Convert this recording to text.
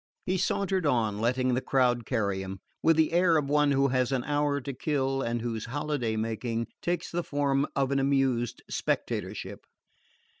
He sauntered on, letting the crowd carry him, with the air of one who has an hour to kill, and whose holiday making takes the form of an amused spectatorship.